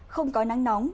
không có nắng nóng